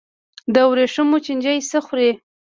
د ورېښمو چینجی څه خوري؟